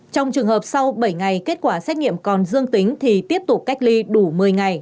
trong trường hợp sau bảy ngày kết quả xét nghiệm còn dương tính thì tiếp tục cách ly đủ một mươi ngày